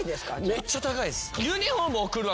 めっちゃ高いです。